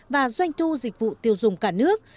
và doanh thu dịch vụ tiêu dùng cả nước